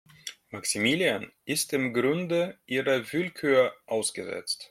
Maximilian ist im Grunde ihrer Willkür ausgesetzt.